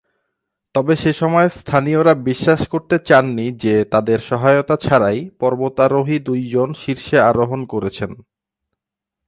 তবে সেসময় স্থানীয়রা বিশ্বাস করতে চাননি যে তাদের সহায়তা ছাড়াই পর্বতারোহী দুইজন শীর্ষে আরোহণ করেছেন।